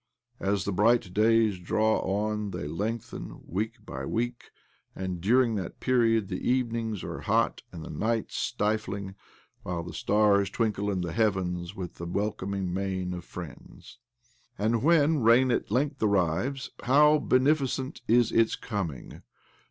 As the bright days draw on they lengthen, week by week ; and during that period the evenings are hot and the nights stifling', while the stars twinkle in the heavens with the welcoming mien of friends. And when rain at length arrives, how beneficent is its coming